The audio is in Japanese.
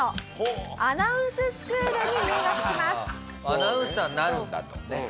アナウンサーになるんだとねっ。